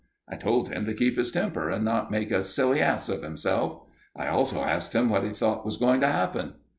I told him to keep his temper and not make a silly ass of himself. I also asked him what he thought was going to happen.